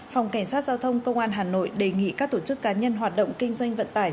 phòng cảnh sát giao thông công an hà nội đề nghị các tổ chức cá nhân hoạt động kinh doanh vận tải